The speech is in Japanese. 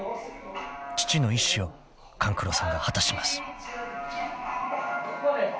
［父の遺志を勘九郎さんが果たします］